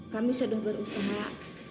kami sedang berusaha